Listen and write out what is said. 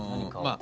あ！